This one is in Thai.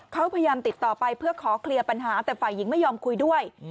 เขาพยายามติดต่อไปเพื่อขอเคลียร์ปัญหาแต่ฝ่ายหญิงไม่ยอมคุยด้วย